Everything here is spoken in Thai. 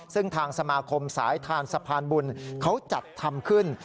ซึ่งทางสมาคมสายทานสะพานบุญเขาจัดทำขึ้น